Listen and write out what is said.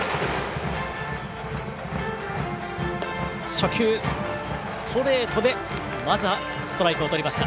初球、ストレートでまずはストライクをとりました。